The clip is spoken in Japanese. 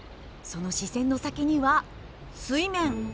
その視線の先には水面。